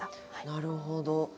なるほど。